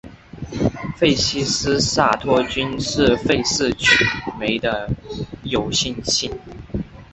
费希新萨托菌是费氏曲霉的有性型。